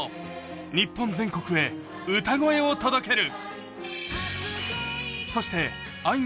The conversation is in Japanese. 日本全国へ歌声を届ける。